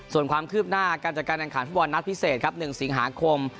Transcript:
ส่วนความคืบหน้าการจัดการแข่งขันฟุตบอลนัดพิเศษครับ๑สิงหาคม